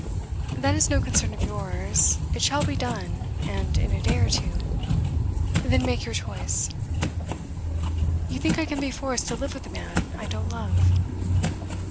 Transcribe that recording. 'That is no concern of yours. It shall be done, and in a day or two. Then make your choice.' 'You think I can be forced to live with a man I don't love?